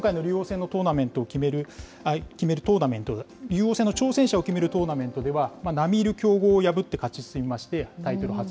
今回の竜王戦のトーナメントを決める、竜王戦の挑戦者を決めるトーナメントでは、並みいる強豪を破って勝ち進みましてタイトル